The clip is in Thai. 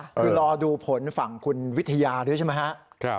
คือรอดูผลฝั่งคุณวิทยาด้วยใช่มั้ยฮะ